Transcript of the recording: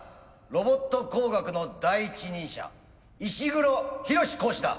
ロボット工学の第一人者石黒浩講師だ。